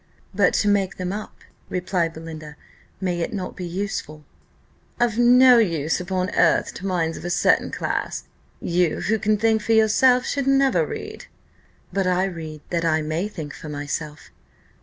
"But to make them up," replied Belinda, "may it not be useful?" "Of no use upon earth to minds of a certain class. You, who can think for yourself, should never read." "But I read that I may think for myself."